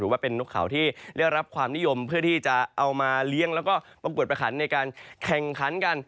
ว่าเป็นนกเขาที่ได้รับความนิยมเพื่อที่จะเอามาเลี้ยงแล้วก็ประกวดประขันในการแข่งขันกัน